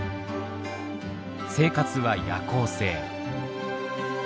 生活は夜行性。